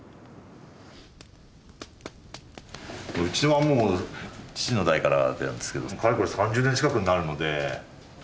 うちはもう父の代からなんですけどかれこれ３０年近くになるので。